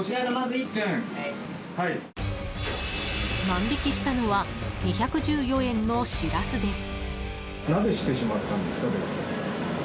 万引きしたのは２１４円のシラスです。